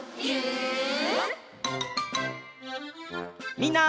みんな。